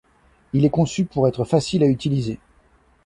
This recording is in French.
Il est conçu pour être facile à utiliser.